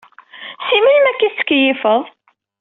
Si melmi akka i tettkeyyifeḍ?